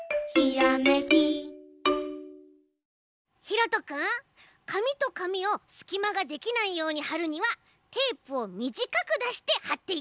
ひろとくんかみとかみをすきまができないようにはるにはテープをみじかくだしてはっていってね！